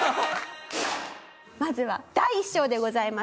まずは第一章でございます。